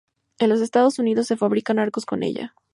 En los Estados Unidos se fabrican arcos con ella.